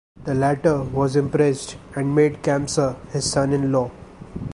The latter was impressed and made Kamsa his son in law.